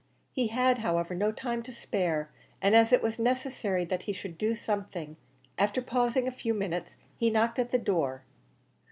He had, however, no time to spare, and as it was necessary that he should do something, after pausing a few minutes, he knocked at the door.